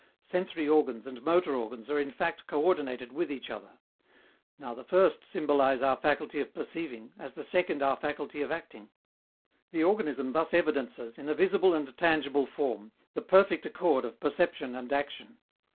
Sensory organs and motor organs are in fact coördinated with each other. Now, the first symbolize our faculty of perceiving, as the second our faculty of acting. The organism thus evidences, in a visible and tangible form, the perfect accord of perception and action.